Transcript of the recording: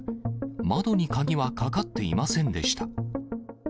窓に鍵はかかっていませんでした。